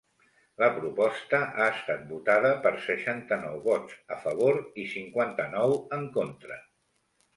La proposta ha estat votada per seixanta-nou vots a favor i cinquanta-nou en contra.